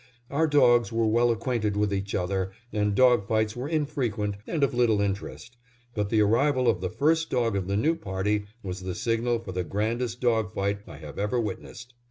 Our dogs were well acquainted with each other and dog fights were infrequent and of little interest, but the arrival of the first dog of the new party was the signal for the grandest dog fight I have ever witnessed.